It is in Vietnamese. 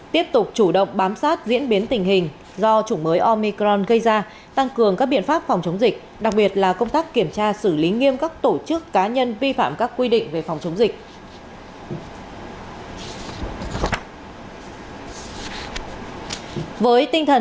tiếp tục chủ động bám sát diễn biến tình hình do chủng mới omicron gây ra tăng cường các biện pháp phòng chống dịch đặc biệt là công tác kiểm tra xử lý nghiêm các tổ chức cá nhân vi phạm các quy định về phòng chống dịch